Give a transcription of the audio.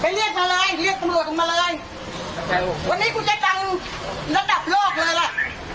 ไปเรียกอะไรเรียกประโยชน์ลงมาเลยวันนี้กูได้ตังค์ระดับโลกเลยล่ะ